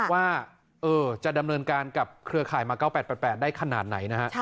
ว่าจะดำเนินการกับเครือข่ายมา๙๘๘ได้ขนาดไหนนะฮะ